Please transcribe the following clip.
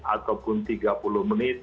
ataupun tiga puluh menit